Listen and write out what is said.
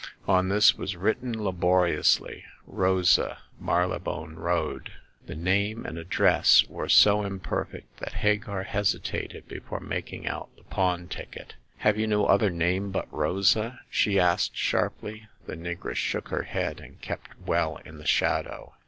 On this was written labori ously :" Rosa, Marylebone Road." The name and address were so imperfect that Hagar hesi tated before making out the pawn ticket. " Have you no other name but Rosa ?" she asked, sharply. The negress shook her head, and kept well in the shadow.